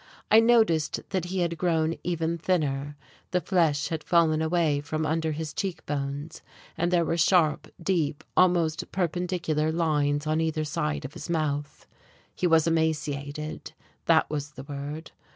I noticed that he had grown even thinner; the flesh had fallen away from under his cheek bones, and there were sharp, deep, almost perpendicular lines on either side of his mouth. He was emaciated, that was the word.